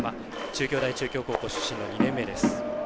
中京大中京高校出身の２年目です。